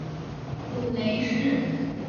母雷氏。